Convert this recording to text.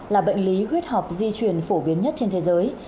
là bệnh lý huyết học di truyền phổ biến nhất trên thế giới